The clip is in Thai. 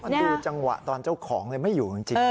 มันดูจังหวะตอนเจ้าของเลยไม่อยู่จริง